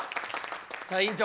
さあ院長